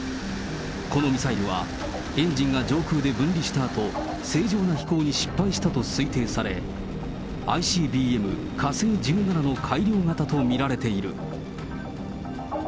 このミサイルは、エンジンが上空で分離したあと、正常な飛行に失敗したと推定され、ＩＣＢＭ火星１７の改良型と見られている。